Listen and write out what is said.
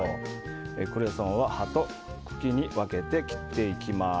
クレソンは葉と茎に分けて切っていきます。